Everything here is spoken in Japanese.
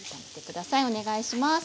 お願いします。